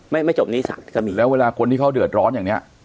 ไม่ไม่จบนิสัยสนิทแล้วเวลาคนที่เขาเดือดร้อนอย่างเนี้ย